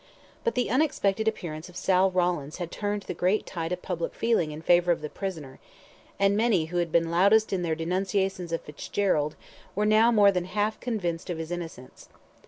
But the unexpected appearance of Sal Rawlins had turned the great tide of public feeling in favour of the prisoner, and many who had been loudest in their denunciations of Fitzgerald, were now more than half convinced of his innocence.